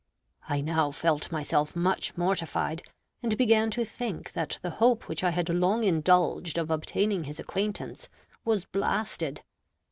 I now felt myself much mortified, and began to think that the hope which I had long indulged of obtaining his acquaintance was blasted.